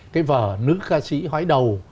cái vở nữ ca sĩ hoái đầu